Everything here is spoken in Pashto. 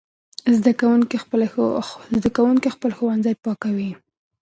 زده کوونکي خپل ښوونځي پاکوي.